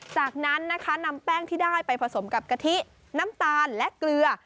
จากนั้นนะคะนำแป้งที่ได้ไปผสมกับกะทิน้ำตาลและเกลือ